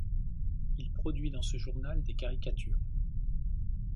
Il produit dans ce journal des caricatures.